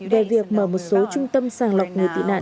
về việc mở một số trung tâm sàng lọc người tị nạn